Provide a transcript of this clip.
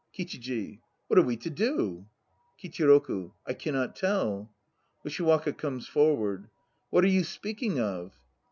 KICHIJI. What are we to do? KICHIROKU. I cannot tell. USHIWAKA (comes forward). What are you speaking of?